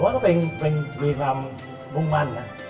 ผมว่าเขาเป็นมีความมั่น